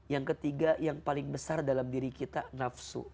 yang ketiga yang paling besar dalam diri kita nafsu